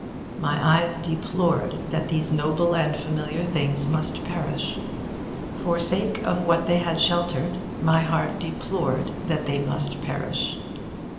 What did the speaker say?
My eyes deplored that these noble and familiar things must perish. For sake of what they had sheltered, my heart deplored that they must perish.